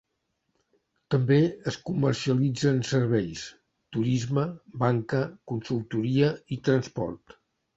També es comercialitzen serveis: turisme, banca, consultoria i transport.